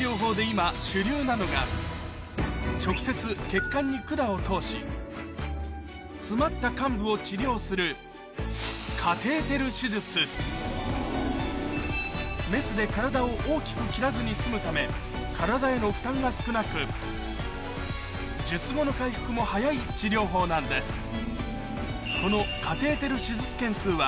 今直接血管に管を通し詰まった患部を治療するメスで体を大きく切らずに済むため体への負担が少なく術後の回復も早い治療法なんです